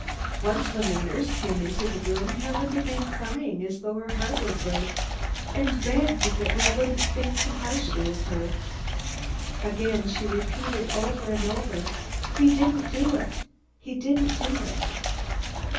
Once when the nurse came into the room, Helen began crying as though her heart would break and begged that we wouldn't think too harshly of her. Again she repeated over and over, 'He didn't do it He didn't do it!'"